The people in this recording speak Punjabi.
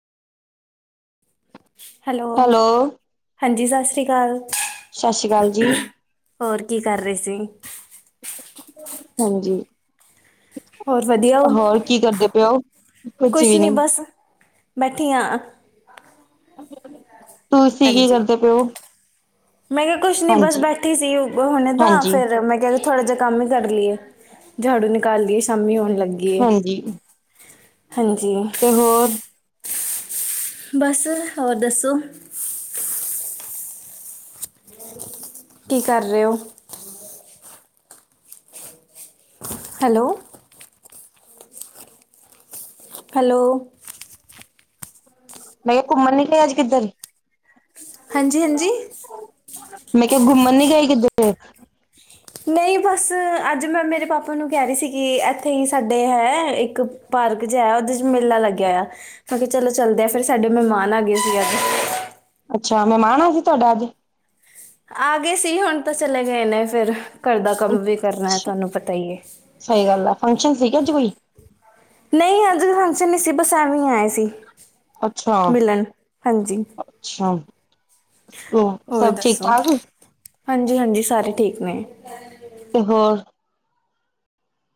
ਹੈਲੋ ਹਾਂਜੀ ਸਤਿ ਸ੍ਰੀ ਅਕਾਲ। ਸਤਿ ਸ੍ਰੀ ਅਕਾਲ ਜੀ ਹੋਰ ਕੀ ਕਰ ਰਹੇ ਸੀ। ਹਾਂਜੀ ਹੋਰ ਵਧੀਆ ਹੋ। ਹੋਰ ਕੀ ਕਰਦੇ ਪਏ ਓ। ਕੁਛ ਨਹੀਂ ਬਸ ਬੈਠੀ ਹਾਂ। ਤੁਸੀਂ ਕੀ ਹਾਂਜੀ ਕਰਦੇ ਪਏ ਓ। ਮੈਂ ਕਿਹਾ ਕੁਛ ਨੀ ਬਸ ਬੈਠੀ ਸੀ ਹੁਣੇ ਤਾਂ ਹਾਂਜੀ ਫਿਰ ਮੈਂ ਕਿਹਾ ਥੋੜਾ ਜਿਹਾ ਕੰਮ ਹੀ ਕਰ ਲਈਏ ਝਾੜੂ ਨਿਕਾਲ ਲਈਏ ਸ਼ਾਮੀ ਹੋਣ ਲੱਗੀਏ। ਹਾਂਜੀ ਹਾਂਜੀ ਤੇ ਹੋਰ ਬਸ ਹੋਰ ਦੱਸੋ। ਕੀ ਕਰ ਰਹੇ ਹੋ। ਹੈਲੋ ਹੈਲੋ ਮੈਂ ਕਿਹਾ ਘੁੰਮਣ ਨੀ ਗਏ ਅੱਜ ਕਿੱਧਰ ਹਾਂਜੀ- ਹਾਂਜੀ ਮੈਂ ਕਿਹਾ ਘੁੰਮਣ ਨੀ ਗਈ ਕਿਧਰੇ ਨਹੀਂ ਬਸ ਅੱਜ ਮੈਂ ਮੇਰੇ ਪਾਪਾ ਨੂੰ ਕਹਿ ਰਹੀ ਸੀ ਕਿ ਇੱਥੇ ਹੀ ਸਾਡੇ ਹੈ ਇੱਕ ਪਾਰਕ ਜ ਆਇਆ ਉਹਦੇ 'ਚ ਮੇਲਾ ਲੱਗਿਆ ਆ ਮੈ ਕਿਹਾ ਚਲੋ ਚੱਲਦੇ ਆ ਫਿਰ ਸਾਡੇ ਮਹਿਮਾਨ ਆ ਗਏ ਸੀ ਅੱਜ ਅੱਛਾ ਮਹਿਮਾਣ ਆ ਗਏ ਤੁਹਾਡਾ ਅੱਜ ਆ ਗਏ ਸੀ ਹੁਣ ਤਾਂ ਚਲੇ ਗਏ ਨੇ ਫਿਰ ਘਰ ਦਾ ਕੰਮ ਵੀ ਕਰਨਾ ਅੱਛਾ ਤੁਹਾਨੂੰ ਪਤਾ ਈ ਏ। ਸਹੀ ਗੱਲ ਹੈ ਫੰਕਸ਼ਨ ਸੀਗੇ ਅੱਜ ਕੋਈ ਨਹੀਂ ਅੱਜ ਫੰਕਸ਼ਨ ਨਹੀਂ ਸੀ ਬਸ ਐਵੇਂ ਆਏ ਸੀ। ਅੱਛਾ- ਮਿਲਣ ਹਾਂਜੀ ਅੱਛਾ ਉਹ ਹੋਰ ਸਭ ਠੀਕ ਦੱਸੋ ਠਾਕ ਹਾਂਜੀ- ਹਾਂਜੀ ਸਾਰੇ ਠੀਕ ਨੇ। ਤੇ ਹੋਰ